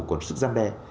còn sự giam đại